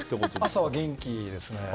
朝は元気ですね。